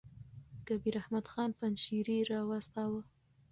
کبیر احمد خان پنجشېري را واستاوه.